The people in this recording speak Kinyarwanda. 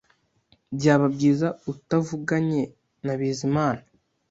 Byaba byiza utavuganye na Bizimana